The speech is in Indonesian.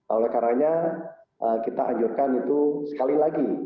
oleh karanya kita anjurkan itu sekali lagi